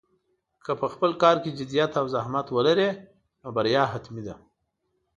که په خپل کار کې جدیت او زحمت ولرې، نو بریا حتمي ده.